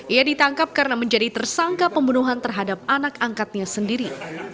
ia ditangkap karena menjadi tersangka pembunuhan terhadap anak angkatnya sendiri